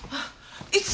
いつ？